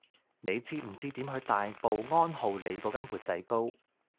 你知唔知點去大埔安浩里嗰間缽仔糕